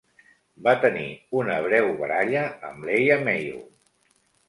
Va tenir una breu baralla amb Leia Meow.